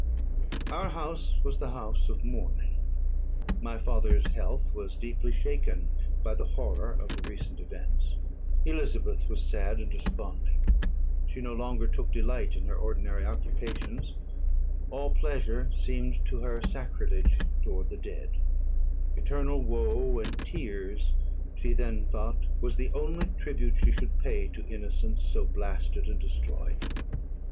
Our house was the house of mourning. My father's health was deeply shaken by the horror of the recent events. Elizabeth was sad and desponding; she no longer took delight in her ordinary occupations; all pleasure seemed to her sacrilege toward the dead; eternal woe and tears she then thought was the just tribute she should pay to innocence so blasted and destroyed.